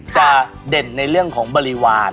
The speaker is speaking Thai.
เด่นในเรื่องของบริวาร